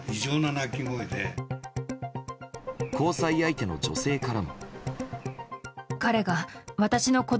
交際相手の女性からも。